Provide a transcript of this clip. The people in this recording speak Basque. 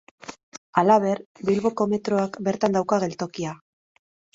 Halaber, Bilboko metroak bertan dauka geltokia.